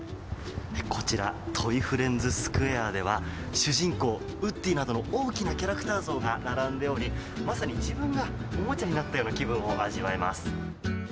こちらには主人公ウッディなどの大きなキャラクター像が並んでおりまさに自分がおもちゃになったような気分を味わえます。